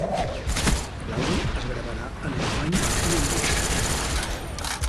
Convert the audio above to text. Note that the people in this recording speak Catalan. L'àlbum es gravarà en alemany i anglès.